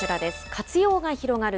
活用が広がる